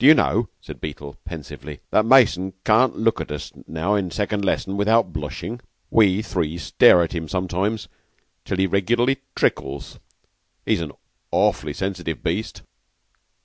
Do you know," said Beetle, pensively, "that Mason can't look at us now in second lesson without blushing? We three stare at him sometimes till he regularly trickles. He's an awfully sensitive beast."